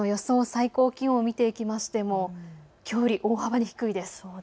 最高気温を見ていってもきょうより大幅に低いです。